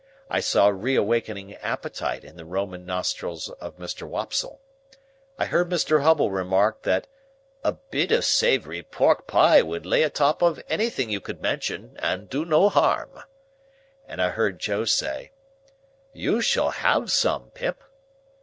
I saw reawakening appetite in the Roman nostrils of Mr. Wopsle. I heard Mr. Hubble remark that "a bit of savory pork pie would lay atop of anything you could mention, and do no harm," and I heard Joe say, "You shall have some, Pip."